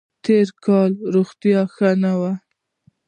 تېر کال مې روغتیا ښه نه وه.